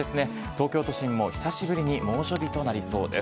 東京都心も久しぶりに猛暑日となりそうです